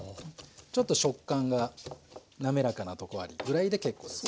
ちょっと食感が滑らかなとこありぐらいで結構です。